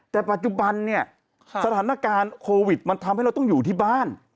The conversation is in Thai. แต่ปัจจุบันเนี่ยสถานการณ์โควิดมันทำให้เราต้องอยู่ที่บ้าน